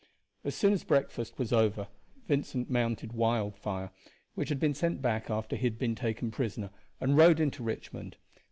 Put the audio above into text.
As soon as breakfast was over Vincent mounted Wildfire which had been sent back after he had been taken prisoner, and rode into Richmond.